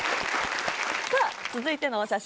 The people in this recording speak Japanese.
さぁ続いてのお写真